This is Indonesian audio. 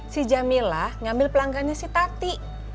si jamilah ngambil pelanggannya si tati